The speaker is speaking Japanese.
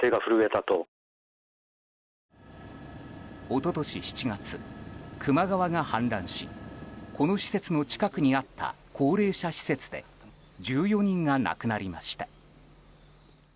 一昨年７月、球磨川が氾濫しこの施設の近くにあった高齢者施設で１４人が亡くなりました。